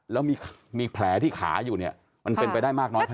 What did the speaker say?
แล้วมีแผลที่ขาอยู่เนี่ยมันเป็นไปได้มากน้อยแค่ไหน